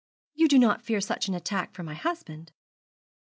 'You do not fear such an attack for my husband?